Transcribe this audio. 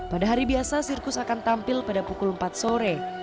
pada hari biasa sirkus akan tampil pada pukul empat sore